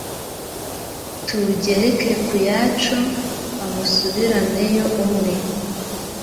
tuwugereke ku yacu amusubiraneyo umwe